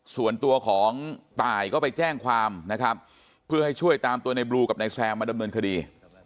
ส่วนตัวของตายก็ไปแจ้งความนะครับเพื่อให้ช่วยตามตัวในบลูกับนายแซมมาดำเนินคดี